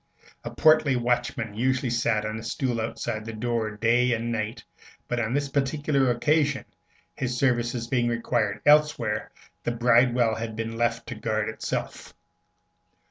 A portly watchman usually sat on a stool outside the door day and night; but on this particular occasion, his services being required elsewhere, the bridewell had been left to guard itself.